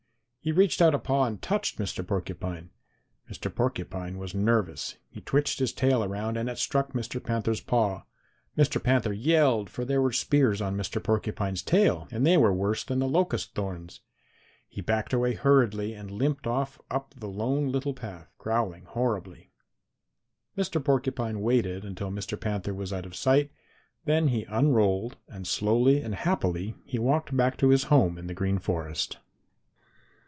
He reached out a paw and touched Mr. Porcupine. Mr. Porcupine was nervous. He switched his tail around and it struck Mr. Panther's paw. Mr. Panther yelled, for there were spears on Mr. Porcupine's tail and they were worse than the locust thorns. He backed away hurriedly and limped off up the Lone Little Path, growling horribly. Mr. Porcupine waited until Mr. Panther was out of sight, then he unrolled, and slowly and happily he walked back to his home in the Green Forest.